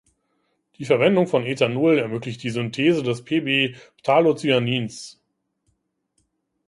Die Verwendung von Ethanol ermöglicht die Synthese des Pb-Phthalocyanins.